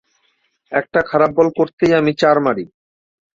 একটা খারাপ বল করতেই আমি চার মারি।